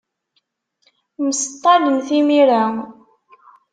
Mseṭṭalen timira.